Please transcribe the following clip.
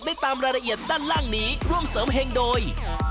ตามรายละเอียดด้านล่างนี้ร่วมเสริมเฮงโดย